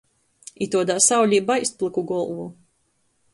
Ituodā saulē baist plyku golvu.